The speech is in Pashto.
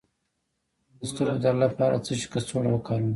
د سترګو درد لپاره د څه شي کڅوړه وکاروم؟